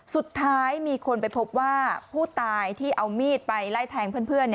สุดท้ายมีคนไปพบว่าผู้ตายที่เอามีดไปไล่แทงเพื่อน